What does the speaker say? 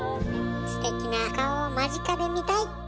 ステキな顔を間近で見たい！